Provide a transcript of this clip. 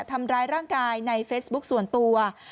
ทำร้ายร่างกายในเฟซบุ๊คส่วนตัว